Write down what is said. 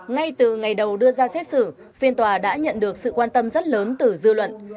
ngay từ ngày đầu đưa ra xét xử phiên tòa đã nhận được sự quan tâm rất lớn từ dư luận